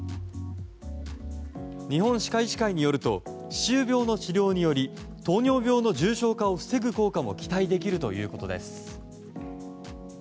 日本歯科医師会によると歯周病の治療により糖尿病の重症化を防ぐ効果も期待できるということです。